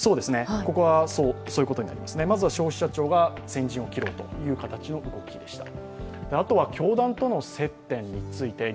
ここはそういうことになりますね、まずは消費者庁が先陣を切ろうという形の動きでした。